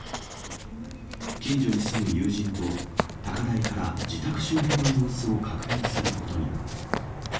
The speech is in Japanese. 近所に住む友人と、高台から自宅周辺の様子を確認することに。